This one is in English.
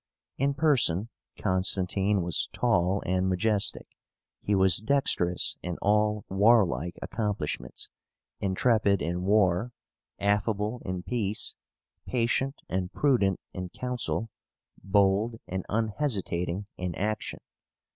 In person Constantine was tall and majestic: he was dexterous in all warlike accomplishments; intrepid in war, affable in peace; patient and prudent in council, bold and unhesitating in action.